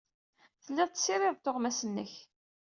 Telliḍ tessirideḍ tuɣmas-nnek.